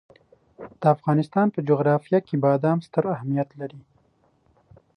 د افغانستان په جغرافیه کې بادام ستر اهمیت لري.